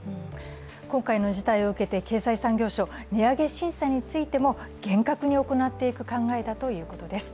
今回の事態を受けて経済産業省、値上げ申請についても厳格に行っていく考えだということです。